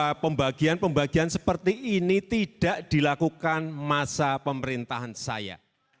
bahwa pembagian pembagian seperti ini tidak dilakukan masa pemerintahan saya